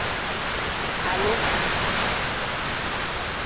Halu.